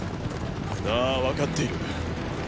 ああ分かっている。